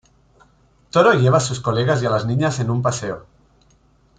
Totoro lleva a sus colegas y a las niñas en un paseo.